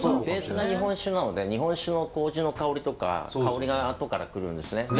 ベースが日本酒なので日本酒の麹の香りとか香りがあとから来るんですね。